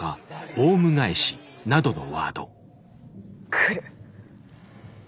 来る。